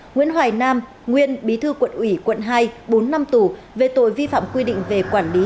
nguyễn hoài nam nguyên bí thư quận ủy quận hai bốn năm tù về tội vi phạm quy định về quản lý